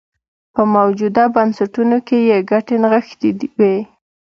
په موجوده بنسټونو کې یې ګټې نغښتې وې.